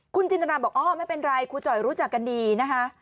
คุณจินตนาบอกอ๋อไม่เป็นไรครูจ่อยรู้จักกันดีนะคะ